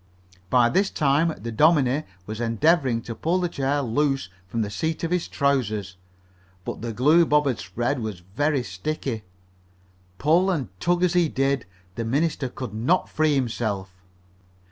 By this time the dominie was endeavoring to pull the chair loose from the seat of his trousers. But the glue Bob had spread was very sticky. Pull and tug as he did, the minister could not free himself.